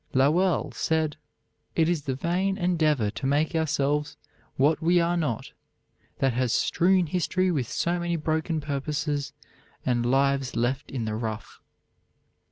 Lowell said: "It is the vain endeavor to make ourselves what we are not that has strewn history with so many broken purposes, and lives left in the rough."